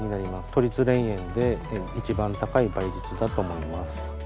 都立霊園で一番高い倍率だと思います。